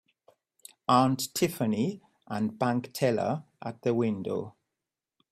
Aunt Tiffany and bank teller at the window.